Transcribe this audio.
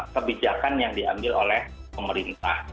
kebijakan yang diambil oleh pemerintah